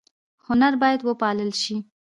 هنر باید وپال ل شي